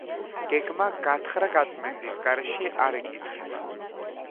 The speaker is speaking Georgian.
გეგმა გათხრა-გაწმენდის გარეშე არ იკითხება.